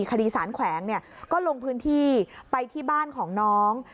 คดีสารแขวงก็ลงพื้นที่ไปที่บ้านของน้อง